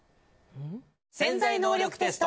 「潜在能力テスト」。